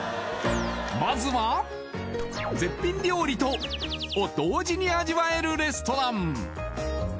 まずは絶品料理と○○を同時に味わえるレストラン